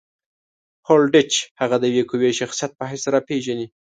هولډیچ هغه د یوه قوي شخصیت په حیث راپېژني.